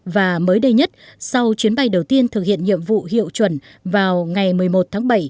và mới đây nhất sau chuyến bay đầu tiên thực hiện nhiệm vụ hiệu chuẩn vào ngày một mươi một tháng bảy